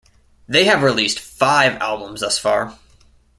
They have released five albums thus far.